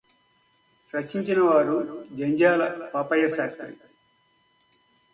రచించినవారు Jandhyala Papayya Sastry